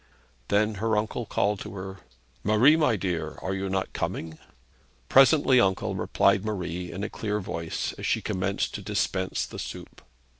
Then her uncle called to her: 'Marie, my dear, are you not coming?' 'Presently, uncle,' replied Marie, in a clear voice, as she commenced to dispense the soup.